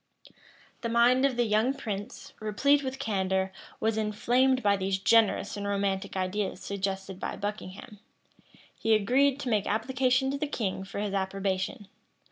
[*] The mind of the young prince, replete with candor, was inflamed by these generous and romantic ideas suggested by Buckingham. He agreed to make application to the king for his approbation.